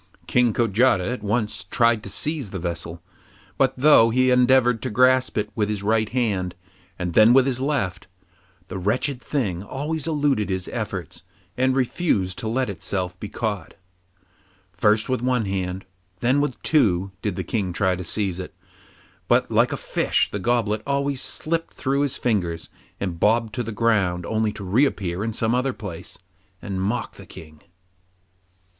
King Kojata at once tried to seize the vessel, but though he endeavoured to grasp it with his right hand, and then with his left, the wretched thing always eluded his efforts and refused to let itself be caught. First with one hand, and then with two, did the King try to seize it, but like a fish the goblet always slipped through his fingers and bobbed to the ground only to reappear at some other place, and mock the King.